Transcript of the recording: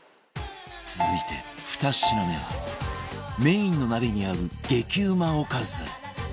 続いて２品目はメインの鍋に合う激うまおかず